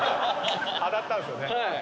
当たったんですよね。